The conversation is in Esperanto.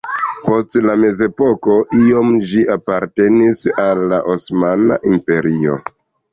Post la mezepoko iom ĝi apartenis al la Osmana Imperio.